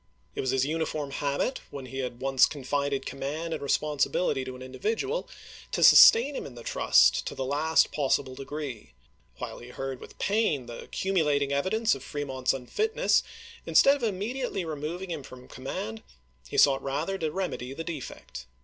It was his uniform habit, when he had once confided command and responsibility to an individual, to sustain him in the trust to the last possible degree. While he heard with pain the cumulating evidence of Fremont's unfitness, instead of immediately remo^dng him from command, he sought rather to remedy the defect.